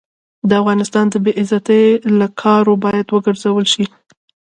د افغانستان د بې عزتۍ له کارو باید وګرزول شي.